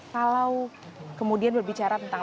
kalau kemudian berbicara tentang